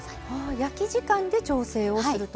焼き時間で調整をすると。